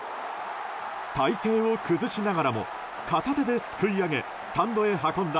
体勢を崩しながらも片手ですくい上げスタンドへ運んだ